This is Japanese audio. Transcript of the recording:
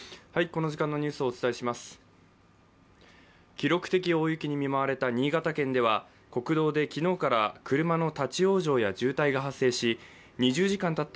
記録的大雪に見舞われた新潟県では国道で昨日から車の立往生や渋滞が発生し２０時間たった